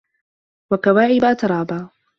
وَكَواعِبَ أَترابًا